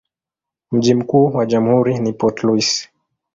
Mji mkuu wa jamhuri ni Port Louis.